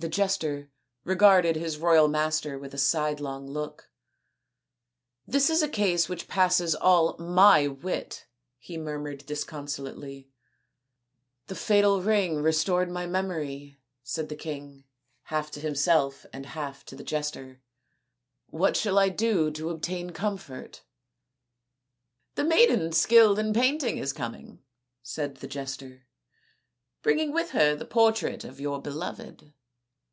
The jester regarded his royal master with a sidelong look. " This is a case which passes all my wit," he murmured disconsolately. SAKUNTALA AND DUSHYANTA 243 " The fatal ring restored my memory," said the king, half to himself and half to the jester. " What shall I do to obtain comfort ?"" The maiden skilled in painting is coming," said the jester, " bringing with her the portrait of your beloved."